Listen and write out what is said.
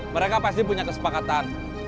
mereka pasti punya kesepakatan